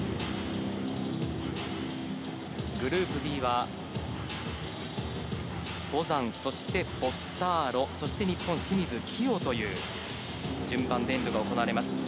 グループＢは、ボザン、そしてボッターロ、そして日本・清水希容という順番で演武が行われます。